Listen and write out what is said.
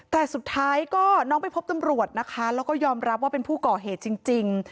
แต่สุดท้ายก็น้องไปพบตำรวจนะคะแล้วก็ยอมรับว่าเป็นผู้ก่อเหตุจริง